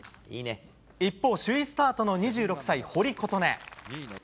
一方、首位スタートの２６歳、堀琴音。